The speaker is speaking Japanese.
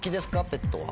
ペットは。